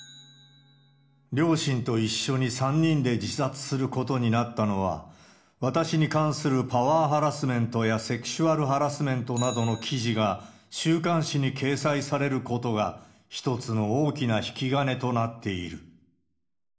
両親と一緒に３人で自殺することになったのは、私に関するパワーハラスメントやセクシュアルハラスメントなどの記事が週刊誌に掲載されることが、一つの大きな引き金となっている。